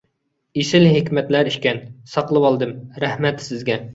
ئېسىل ھېكمەتلەر ئىكەن، ساقلىۋالدىم. رەھمەت سىزگە!